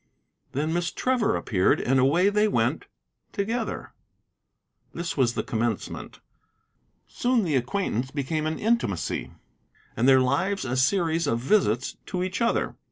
Then Miss Trevor appeared, and away they went together. This was the commencement. Soon the acquaintance became an intimacy, and their lives a series of visits to each other.